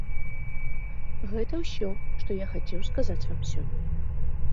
Гэта ўсё, што я хацеў сказаць вам сёння.